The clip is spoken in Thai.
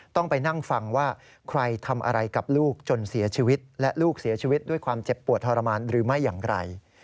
ต้องไปนั่งฟังว่าใครทำอะไรกับลูกจนเสียชีวิตและลูกเสียชีวิตด้วยความเจ็บปวดทรมานหรือไม่อย่างไร